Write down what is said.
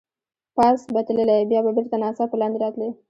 پاس به تللې، بیا به بېرته ناڅاپه لاندې راتلې.